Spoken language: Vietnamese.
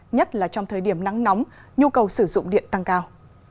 nhất là trong thời điểm nắng nóng nhu cầu sử dụng điện tăng cao